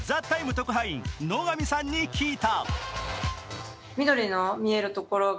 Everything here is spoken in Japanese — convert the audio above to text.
特派員、野上さんに聞いた。